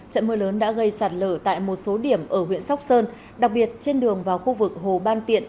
trận mưa lớn đã gây sạt lở tại một số điểm ở huyện sóc sơn đặc biệt trên đường vào khu vực hồ ban tiện